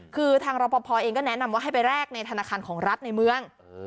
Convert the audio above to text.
คือทางรอปภเองก็แนะนำว่าให้ไปแลกในธนาคารของรัฐในเมือง